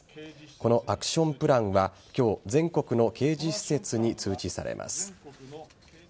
このアクションプランは今日全国の刑事施設に通知されます。